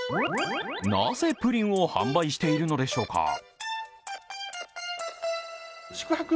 なぜ、プリンを販売しているのでしょうか？